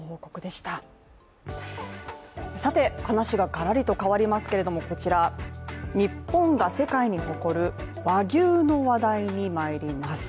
話ががらりと変わりますけれども、こちら日本が世界に誇る和牛の話題にまいります。